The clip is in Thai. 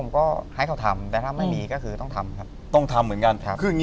ความเว่งมีการครอบครู